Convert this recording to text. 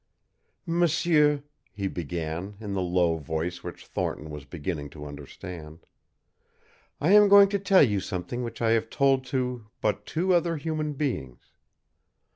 "M'sieur," he began in the low voice which Thornton was beginning to understand, "I am going to tell you something which I have told to but two other human beings.